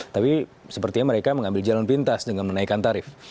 tapi sepertinya mereka mengambil jalan pintas dengan menaikkan tarif